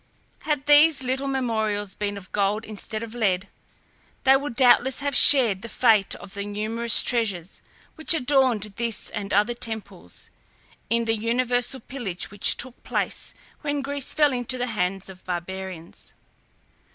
Had these little memorials been of gold instead of lead, they would doubtless have shared the fate of the numerous treasures which adorned this and other temples, in the universal pillage which took place when Greece fell into the hands of barbarians.